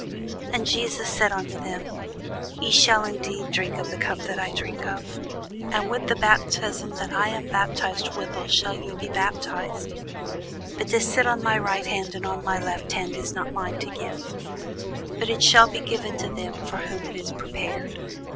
And Jesus said unto them, Ye shall indeed drink of the cup that I drink of; and with the baptism that I am baptized withal shall ye be baptized: but to sit on my right hand and on my left hand is not mine to give; but it shall be given to them for whom it is prepared.